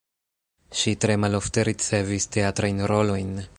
Ŝi tre malofte ricevis teatrajn rolojn.